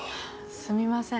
すみません。